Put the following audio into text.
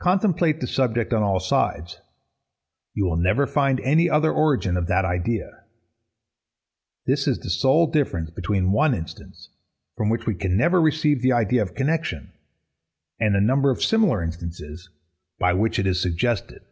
Contemplate the subject on all sides; you will never find any other origin of that idea. This is the sole difference between one instance, from which we can never receive the idea of connexion, and a number of similar instances, by which it is suggested.